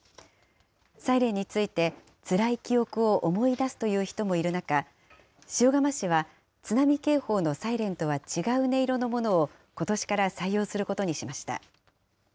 サイレンについて、つらい記憶を思い出すという人もいる中、塩釜市は、津波警報のサイレンとは違う音色のものをことしから採用することにしました。